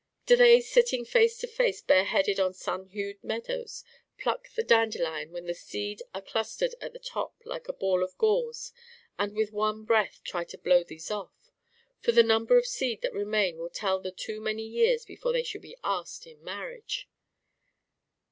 Do they, sitting face to face bareheaded on sun hued meadows, pluck the dandelion when its seed are clustered at the top like a ball of gauze, and with one breath try to blow these off: for the number of seed that remain will tell the too many years before they shall be asked in marriage?